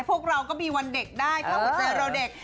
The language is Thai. พวกเราก็มีวันเด็กได้ถ้าหัวใจเราเด็ก